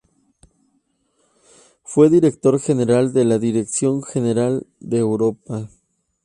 Fue Director General de la Dirección General de Europa.